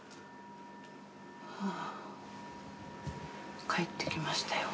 はあ帰ってきましたよ。